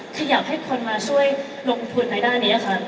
ขยับให้คนมาช่วยลงทุนในด้านนี้ครับ